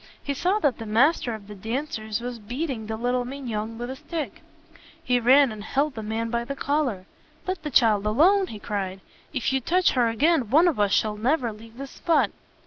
He saw that the master of the dancers was beating little Mignon with a stick. He ran and held the man by the collar. "Let the child alone!" he cried. "If you touch her again, one of us shall never leave this spot."